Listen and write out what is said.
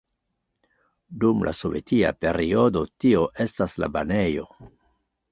Dum la sovetia periodo tio estas la banejo.